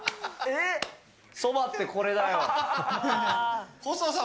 そばってこれだよ。